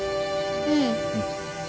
うん。